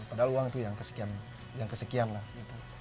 padahal uang itu yang kesekian yang kesekian lah gitu